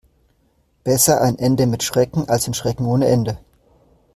Besser ein Ende mit Schrecken, als Schrecken ohne Ende.